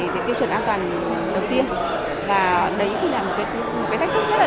sẽ chịu thua lỗ thậm chí phá sản